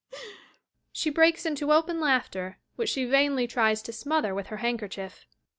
[She breaks into open laughter, which she vainly tries to smother with her handkerchief.